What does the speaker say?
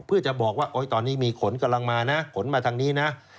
เพื่อจะบอกว่าตอนนี้มีขนกำลังมานะขนมาทางนี้นะ